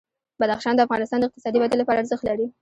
بدخشان د افغانستان د اقتصادي ودې لپاره ارزښت لري.